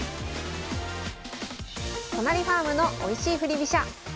都成ファームのおいしい振り飛車。